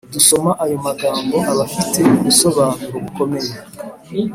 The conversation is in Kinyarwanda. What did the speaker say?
dusoma aya magambo afite ubusobanuro bukomeye